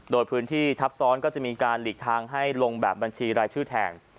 โดยพื้นที่ทับซ้อนก็จะมีการหลีกทางให้ลงแบบบัญชีรายชื่อแทน